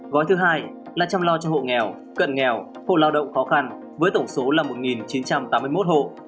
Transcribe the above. gói thứ hai là chăm lo cho hộ nghèo cận nghèo hộ lao động khó khăn với tổng số là một chín trăm tám mươi một hộ